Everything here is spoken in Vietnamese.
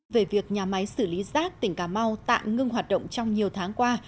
về việc nhà máy xử lý rác tỉnh cà mau tạm ngưng hoạt động trong nhiều tháng qua